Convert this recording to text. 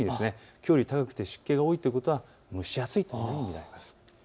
きょうより高くて湿気が多いということは蒸し暑いというふうに見られます。